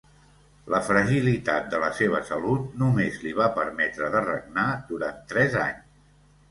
La fragilitat de la seva salut només li va permetre de regnar durant tres anys.